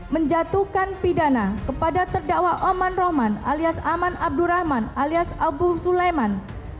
menjatuhkan pidana kepada terdakwa oman rohman alias aman abdurrahman alias abu suleiman